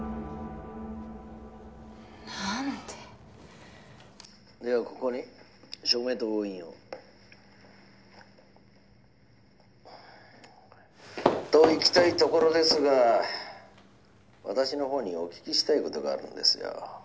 何でではここに署名と押印をといきたいところですが私のほうにお聞きしたいことがあるんですよ